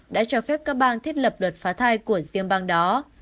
đã cho phép các bang thiết lập luật phá thai của riêng bang đó